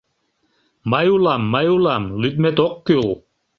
Мый улам, мый улам, лӱдмет ок кӱл...